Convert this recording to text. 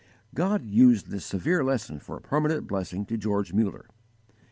7.) God used this severe lesson for permanent blessing to George Muller.